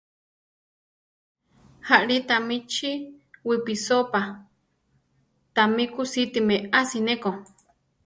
Aʼlí tami chi wipisópa; tami kusíti meási neko.